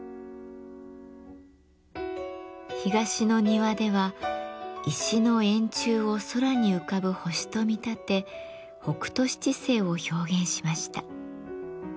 東の庭では石の円柱を空に浮かぶ星と見立て北斗七星を表現しました。